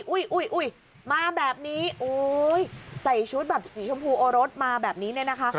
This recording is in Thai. อุ๊ยมาแบบนี้ใส่ชุดสีชมพูโอรสมาแบบนี้นะคะ